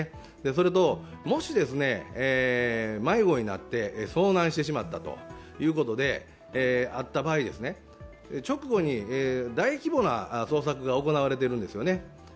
それと、もし迷子になって遭難してしまったということであった場合直後に大規模な捜索が行われているんですよね。